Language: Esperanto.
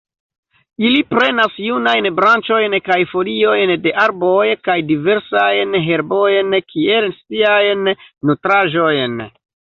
Ili prenas junajn branĉojn kaj foliojn de arboj kaj diversajn herbojn kiel siajn nutraĵojn.